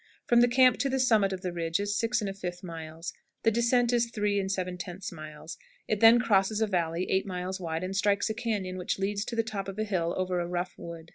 From the camp to the summit of the ridge is 6 1/5 miles. The descent is 3 7/10 miles. It then crosses a valley 8 miles wide, and strikes a cañon which leads to the top of a hill over a rough road.